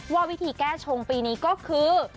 ว่าวิธีแก้ชงปีนี้ก็คือ